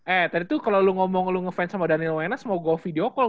eh tadi tuh kalau lu ngomong lu ngefans sama daniel wenas mau go video call